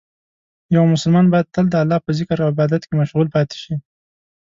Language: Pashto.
یو مسلمان باید تل د الله په ذکر او عبادت کې مشغول پاتې شي.